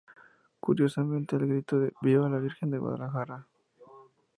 Curiosamente al grito de ¡Viva la Virgen de Guadalajara!